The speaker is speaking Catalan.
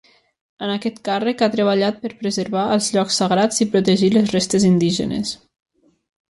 En aquest càrrec ha treballat per preservar els llocs sagrats i protegir les restes indígenes.